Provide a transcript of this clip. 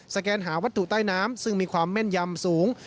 แกนหาวัตถุใต้น้ำซึ่งมีความแม่นยำสูง